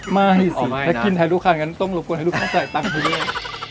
ไม่สิถ้ากินแทนลูกค้าอย่างงั้นต้องรบกวนให้ลูกค้าใส่ตังค์ให้ด้วย